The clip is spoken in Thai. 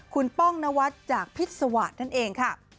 คุณป้องนวัดจากพิษวาสตร์นั่นเองค่ะ